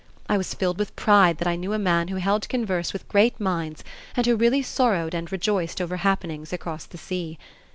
I was filled with pride that I knew a man who held converse with great minds and who really sorrowed and rejoiced over happenings across the sea.